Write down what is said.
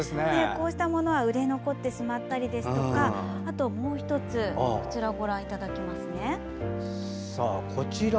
こうしたものは売れ残ってしまったりですとかあともう１つこちらご覧ください。